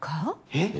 えっ？